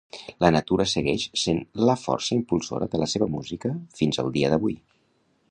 La natura segueix sent la força impulsora de la seva música fins al dia d'avui.